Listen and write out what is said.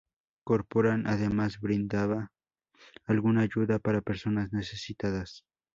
Corporán además brindaba alguna ayuda para personas necesitadas.